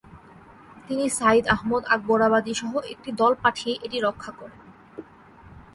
তিনি সাইদ আহমদ আকবরাবাদী সহ একটি দল পাঠিয়ে এটি রক্ষা করেন।